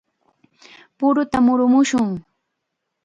¡Puruta murumushun!